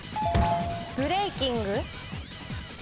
ブレーキング？